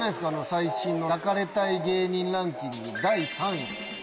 最新の抱かれたい芸人ランキング第３位ですよ。